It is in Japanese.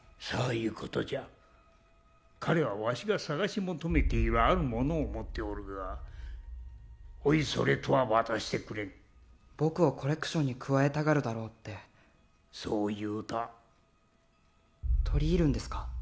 そういうことじゃ彼はわしがさがし求めているあるものを持っておるがおいそれとは渡してくれん僕をコレクションに加えたがるだろうってそう言うた取り入るんですか？